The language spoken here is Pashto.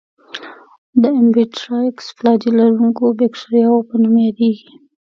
د امفيټرایکس فلاجیل لرونکو باکتریاوو په نوم یادیږي.